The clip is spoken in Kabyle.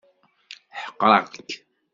Ḥeqreɣ-k.